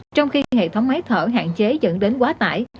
trong khi hệ thống máy thở hạn chế dẫn đến quá tải